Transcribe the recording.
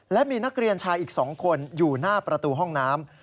และมีนักเรียนชายอีก๒คนอยู่หน้าประตูห้องน้ำ